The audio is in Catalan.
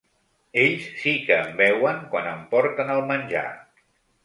Ells sí que em veuen quan em porten el menjar.